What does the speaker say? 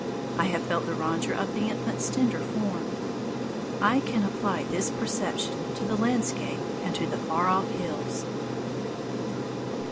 I have felt the rondure of the infant's tender form. I can apply this perception to the landscape and to the far off hills.